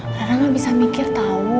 karena gak bisa mikir tau lagi galau